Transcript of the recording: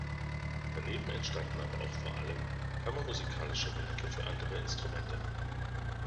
Daneben entstanden aber auch vor allem kammermusikalische Werke für andere Instrumente.